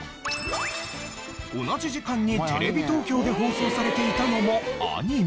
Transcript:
同じ時間にテレビ東京で放送されていたのもアニメ。